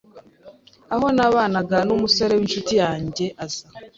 Aho nabanaga n’umusore w’inshuti yanjye aza